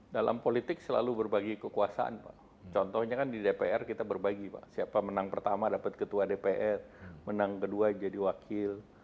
dalam politik selalu berbagi kekuasaan pak contohnya kan di dpr kita berbagi pak siapa menang pertama dapat ketua dpr menang kedua jadi wakil